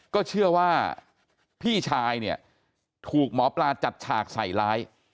ก็เชื่อว่าพี่ชายเนี่ยถูกหมอปลาจัดฉากใส่ร้าย